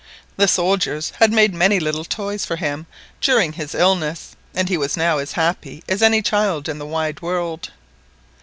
The soldiers had made many little toys for him during his illness, and he was now as happy as any child in the wide world.